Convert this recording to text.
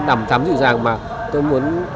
đầm thắm dịu dàng mà tôi muốn